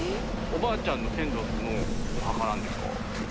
おばあちゃんの先祖のお墓なんですか？